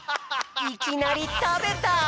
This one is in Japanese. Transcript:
いきなりたべた！